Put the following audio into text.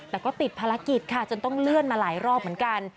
แต่ก็ติดภารกิจค่ะจนต้องเลื่อนมาหลายรอบเหมือนกัน